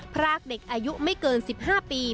พรากเด็กอายุไม่เกิน๑๕ปี